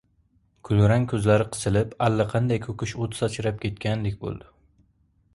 Kulrang ko‘zlari qisilib, allaqanday ko‘kish o‘t sachrab ketgan- dek bo‘ldi.